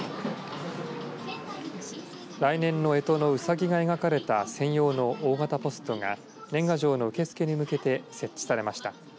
来年のえとのうさぎが描かれた専用の大型ポストが年賀状の受け付けに向けて設置されました。